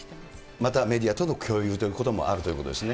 またメディアとの共有ということもあるということですね。